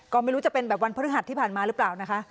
ก็ไม่รู้จะเป็นแบบวันพฤหัสที่ผ่านมาหรือเปล่านะคะ